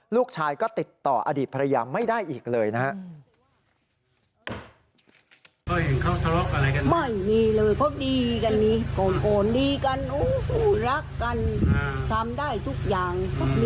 พูดรักกันทำได้ทุกอย่าง